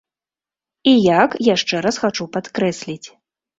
І як, яшчэ раз хачу падкрэсліць.